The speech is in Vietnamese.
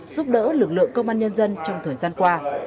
giúp đỡ lực lượng công an nhân dân trong thời gian qua